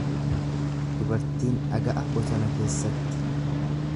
Dubartiin dhaga'a bosona keessatti.